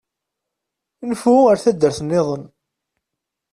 Nfu ar taddart-nniḍen.